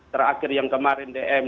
terakhir yang kemarin dm